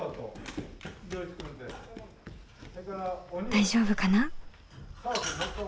大丈夫かな？